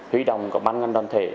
hủy động các ban ngân đoàn thể